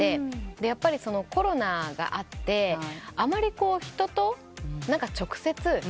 やっぱりコロナがあってあまり人と直接向かい合って。